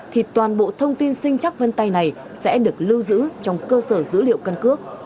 thì toàn bộ thông tin sinh chắc vân tay này sẽ được lưu giữ trong cơ sở dữ liệu căn cước